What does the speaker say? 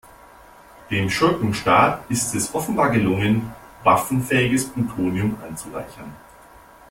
Dem Schurkenstaat ist es offenbar gelungen, waffenfähiges Plutonium anzureichern.